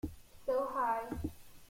So High